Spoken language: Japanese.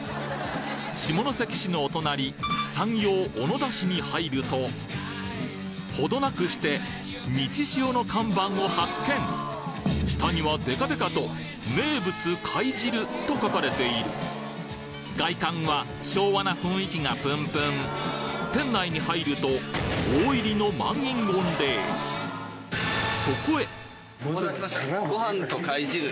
下関市のお隣山陽小野田市に入るとほどなくしてみちしおの看板を発見下にはでかでかと「名物貝汁」と書かれている外観は昭和な雰囲気がプンプン店内に入ると大入の満員御礼お待たせしました。